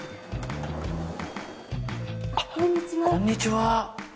こんにちは。